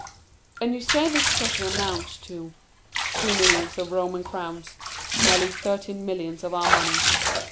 "And you say this treasure amounts to——" "Two millions of Roman crowns; nearly thirteen millions of our money."